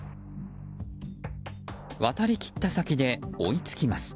渡りきった先で追いつきます。